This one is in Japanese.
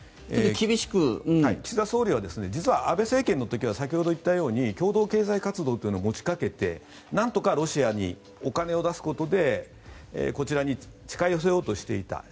岸田総理は実は安倍政権の時は先ほど言ったように共同経済活動を持ちかけてなんとかロシアにお金を出すことでこちらに近寄せようとしていた。